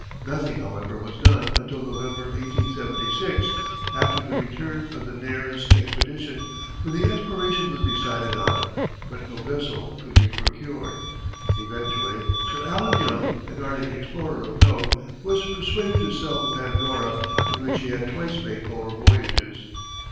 Nothing, however, was done until November, 1876, after the return of the Nares's expedition, when the exploration was decided on; but no vessel could be procured. Eventually Sir Allen Young, an Arctic explorer of note, was persuaded to sell the Pandora, in which he had twice made polar voyages.